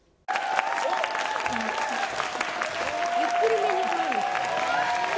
ゆっくりめに振るんですね。